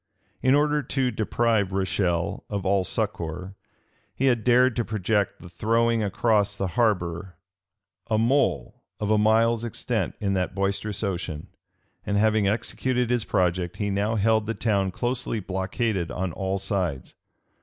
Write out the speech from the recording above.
In order to deprive Rochelle of all succor, he had dared to project the throwing across the harbor a mole of a mile's extent in that boisterous ocean; and having executed his project, he now held the town closely blockaded on all sides.